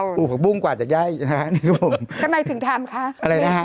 ปลูกผักปุ้งกว่าจักรย่ายนะครับนี่ครับผมทำไมถึงทำคะอะไรนะครับ